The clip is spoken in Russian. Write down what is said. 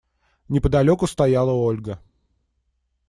Неподалеку стояла Ольга.